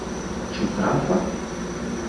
Ĉu trafa?